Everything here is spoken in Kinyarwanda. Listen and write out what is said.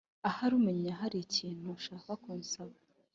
ahari umenya hari ikintu ushaka kunsaba.”